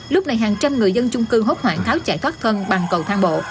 lúc này hàng trăm người dân chung cư hốt hoảng tháo chạy thoát thân bằng cầu thang bộ